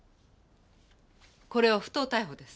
これは不当逮捕です。